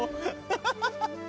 ハハハハ！